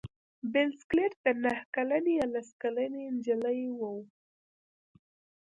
بل سکلیټ د نهه کلنې یا لس کلنې نجلۍ و.